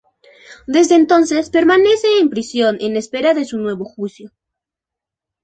Desde entonces permanece en prisión en espera de su nuevo juicio.